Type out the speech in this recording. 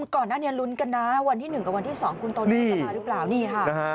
ก่อนหน้านี้ลุ้นกันนะวันที่หนึ่งกับวันที่สองคุณโตโน่จะมารึเปล่า